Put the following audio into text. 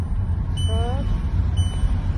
Шы-ып!